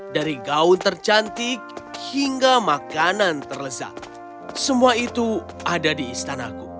dari gaun tercantik hingga makanan terlezat semua itu ada di istanaku